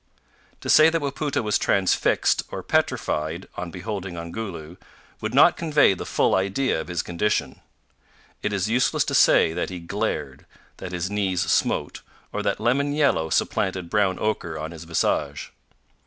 To say that Wapoota was transfixed, or petrified, on beholding Ongoloo, would not convey the full idea of his condition. It is useless to say that he glared; that his knees smote, or that lemon yellow supplanted brown ochre on his visage.